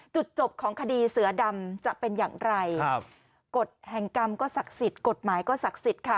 จุดจบของคดีเสือดำจะเป็นอย่างไรครับกฎแห่งกรรมก็ศักดิ์สิทธิ์กฎหมายก็ศักดิ์สิทธิ์ค่ะ